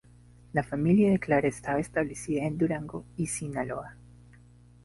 La familia de Clara estaba establecida en Durango y Sinaloa.